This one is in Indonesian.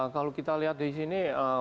kalau kita lihat di sini